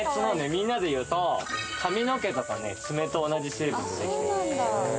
みんなで言うと髪の毛とか爪と同じ成分でできてるんだよ。